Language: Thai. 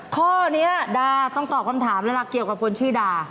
ข้อนี้ดาต้องตอบคำถามแล้วล่ะเกี่ยวกับคนชื่อดา